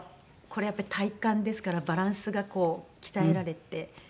これやっぱり体幹ですからバランスがこう鍛えられて。